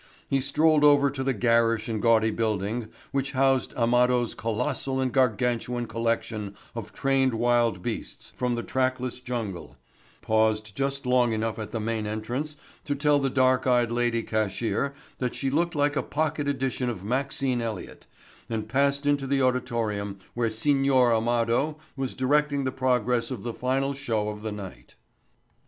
He strolled over to the garish and gaudy building which housed Amado's Colossal and Gargantuan Collection of Trained Wild Beasts from the Trackless Jungle; paused just long enough at the main entrance to tell the dark eyed lady cashier that she looked like a pocket edition of Maxine Elliott and passed into the auditorium where Signor Amado was directing the progress of the final show of the night.